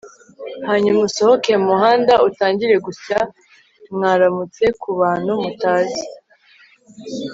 hanyuma usohoke mu muhanda utangire gusya 'mwaramutse' ku bantu mutazi